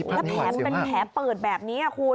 และแผมเป็นแผมเปิดแบบนี้คุณ